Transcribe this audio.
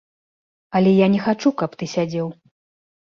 Але я не хачу, каб ты сядзеў.